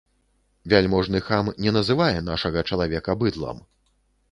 Вяльможны хам не называе нашага чалавека быдлам.